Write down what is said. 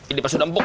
ini pas sudah empuk